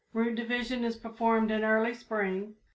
Root division is performed in early spring.